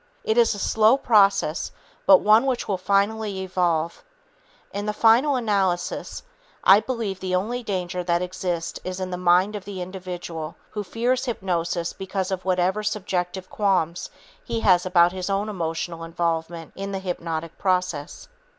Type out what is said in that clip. It is a slow process but one which will finally evolve. In the final analysis, I believe the only danger that exists is in the mind of the individual who fears hypnosis because of whatever subjective qualms he has about his own emotional involvement in the hypnotic process.